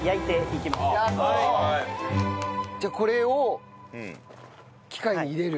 じゃあこれを機械に入れる？